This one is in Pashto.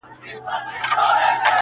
زېری د خزان یم له بهار سره مي نه لګي--!